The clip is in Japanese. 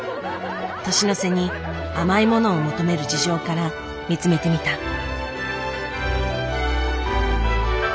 年の瀬に甘いものを求める事情から見つめてみた。